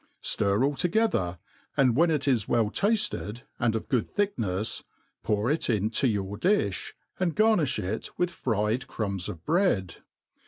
Stir all together, and when it is well tafted and of a good thicknefs, pour it in to your diib, and garnifh it with fried crumbs of bread.